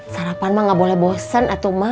sarapan ma gak boleh bosen